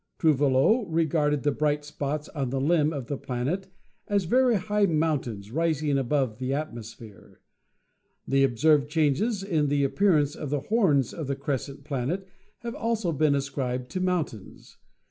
Trouve lot regarded the bright spots on the limb of the planet as very high mountains, rising above the atmosphere. The observed changes in the appearance of the horns of the crescent planet have also been ascribed to moun tains.